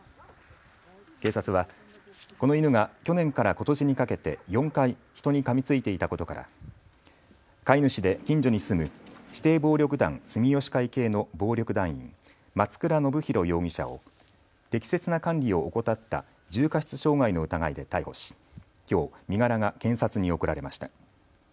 警察はこの犬が去年からことしにかけて４回、人にかみついていたことから飼い主で近所に住む指定暴力団住吉会系の暴力団員、松倉信弘容疑者を適切な管理を怠った重過失傷害の疑いで逮捕しきょう身柄が検察に送られました。